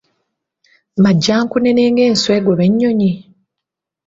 Majjankunene ng'enswa egoba ennyonyi?